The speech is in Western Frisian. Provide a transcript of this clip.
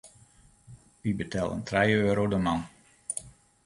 Wy betellen trije euro de man.